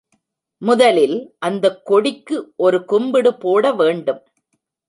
முதலில் அந்தக் கொடிக்கு ஒரு கும்பிடு போட வேண்டும்.